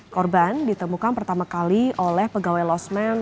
korban ditemukan pertama kali oleh pegawai losmen